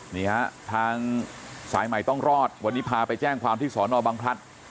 นี่ฮะทางสายใหม่ต้องรอดวันนี้พาไปแจ้งความที่สอนอบังพลัด